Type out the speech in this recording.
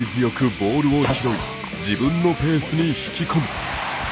そして、粘り強くボールを拾い自分のペースに引き込む。